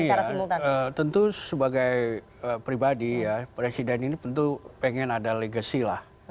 ya saya kira begini ya tentu sebagai pribadi ya presiden ini tentu pengen ada legacy lah